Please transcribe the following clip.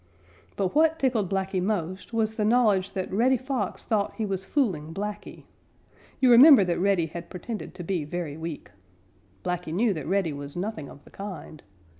But what tickled Blacky most the knowledge that Reddy Fox thought he was fooling Blacky. You remember that Reddy had pretended to be very weak. Blacky knew that Reddy was nothing of the kind.